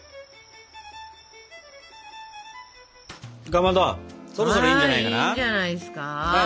かまどそろそろいいんじゃないかな？